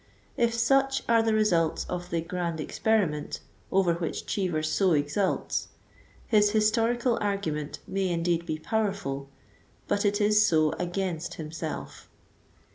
If such are the results of the "grand experiment" over which Cheever so exults, his "historical argument" may indeed be " powerful," but it is so against himself.